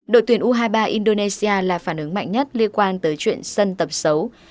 đội tuyển u hai mươi ba indonesia là phản ứng mạnh nhất liên quan tới chuyện sân tập xấu